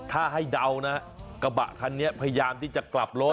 ถ้าให้เดานะกระบะคันนี้พยายามที่จะกลับรถ